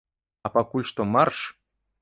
А пакуль што марш!